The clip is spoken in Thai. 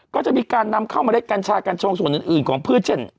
ก็จะมีการนำเข้าเมล็ดกัญชากัญชงส่วนอื่นของพืชเช่น